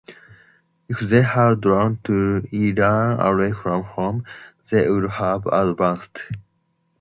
If they had drawn to Iran away from home, they would have advanced.